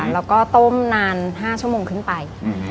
แล้วก็ต้มนาน๕ชั่วโมงขึ้นไป